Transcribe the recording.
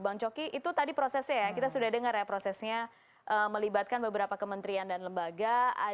bang coki itu tadi prosesnya ya kita sudah dengar ya prosesnya melibatkan beberapa kementerian dan lembaga